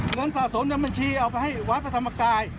เงินสะสมในบัญชีเอาไปให้วัดพระธรรมกาย